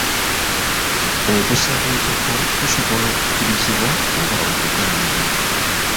Okusaba ekifo kusobola okukkirizibwa oba okugaanibwa.